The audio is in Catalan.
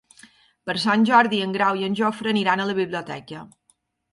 Per Sant Jordi en Grau i en Jofre aniran a la biblioteca.